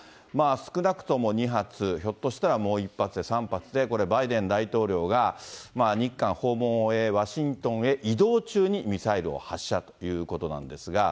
少なくとも２発、ひょっとしたらもう１発で３発で、これバイデン大統領が、日韓訪問を終え、ワシントンへ移動中にミサイルを発射ということなんですが。